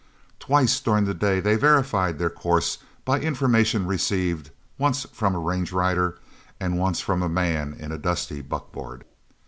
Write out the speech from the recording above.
Twice during the day they verified their course by information received once from a range rider and once from a man in a dusty buck board.